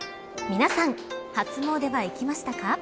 皆さん、初詣は行きましたか。